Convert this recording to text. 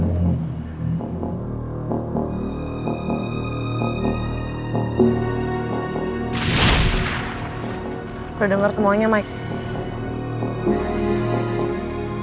udah denger semuanya mike